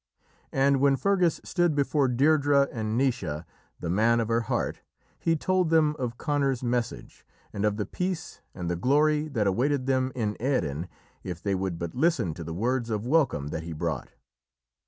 And when Fergus stood before Deirdrê and Naoise, the man of her heart, he told them of Conor's message, and of the peace and the glory that awaited them in Erin if they would but listen to the words of welcome that he brought.